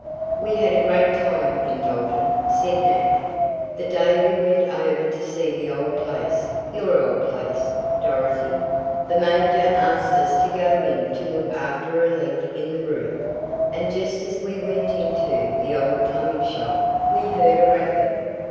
"We had a great time in Dalton," said Nat, "the day we went over to see the old place your old place, Dorothy. The major asked us to go in to look after a leak in the roof, and just as we went into the old plumbing shop we heard a racket.